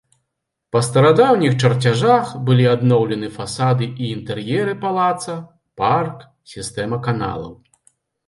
Па старадаўніх чарцяжах былі адноўлены фасады і інтэр'еры палаца, парк, сістэма каналаў.